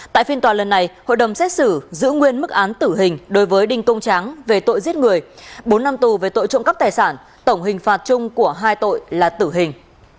tại phiên tòa lần này hội đồng xét xử giữ nguyên mức án tử hình đối với đinh công tráng về tội giết người bốn năm tù về tội trộm cắp tài sản tổng hình phạt chung của hai tội là tử hình